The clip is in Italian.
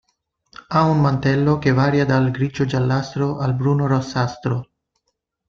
Ha un mantello che varia dal grigio giallastro al bruno rossastro.